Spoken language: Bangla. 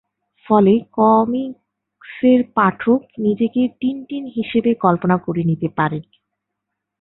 ফলে কমিকসের পাঠক নিজেকে টিনটিন হিসেবে কল্পনা করে নিতে পারে।